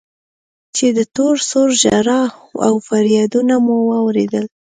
چې د تور سرو ژړا و فريادونه مو واورېدل.